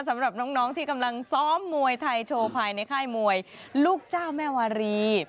สำหรับน้องที่กำลังซ้อมมวยไทยโชว์ภายในค่ายมวยลูกเจ้าแม่วารี